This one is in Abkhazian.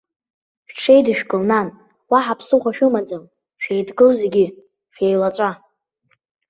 Шәҽеидышәкыл, нан, уаҳа ԥсыхәа шәымаӡам, шәеидгыл зегьы, шәеилаҵәа!